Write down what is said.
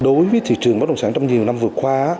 đối với thị trường bất động sản trong nhiều năm vừa qua